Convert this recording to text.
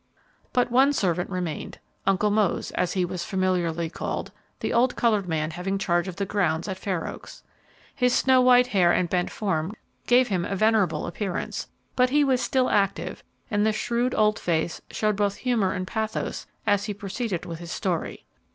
But one servant remained, "Uncle Mose," as he was familiarly called, the old colored man having charge of the grounds at Fair Oaks. His snow white hair and bent form gave him a venerable appearance; but he was still active, and the shrewd old face showed both humor and pathos as he proceeded with his story.